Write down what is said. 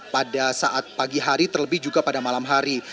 pada saat pagi hari terlebih juga pada malam hari